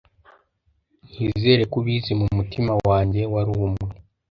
Nizere ko ubizi mu mutima wanjye; wari umwe!